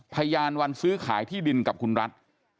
พยานวันซื้อขายที่ดินกับคุณรัฐ